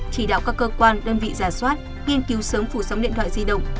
chỉ đạo các cơ quan đơn vị giả soát nghiên cứu sớm phủ sóng điện thoại di động